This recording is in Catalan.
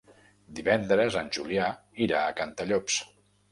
Divendres en Julià irà a Cantallops.